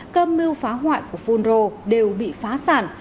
cơ mưu phá hoại của phun rô đều bị phá sản